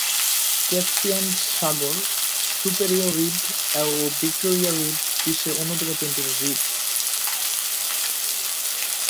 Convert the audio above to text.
Caspian সাগর, Superior হ্রদ ও ভিক্টোরিয়া হ্রদ বিশ্বের বৃহত্তম তিনটি হ্রদ।